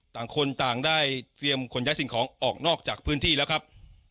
ต่างคนต่างได้เตรียมขนย้ายสิ่งของออกนอกจากพื้นที่แล้วครับ